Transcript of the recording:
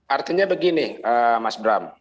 artinya begini mas bram